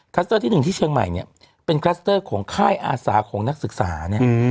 เตอร์ที่๑ที่เชียงใหม่เนี่ยเป็นคลัสเตอร์ของค่ายอาสาของนักศึกษาเนี่ย